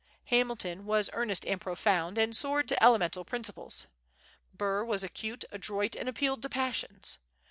Hamilton was earnest and profound, and soared to elemental principles. Burr was acute, adroit, and appealed to passions.